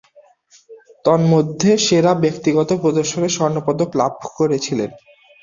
তন্মধ্যে সেরা ব্যক্তিগত প্রদর্শনে স্বর্ণপদক লাভ করেছিলেন।